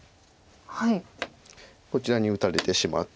こちらに打たれてしまって。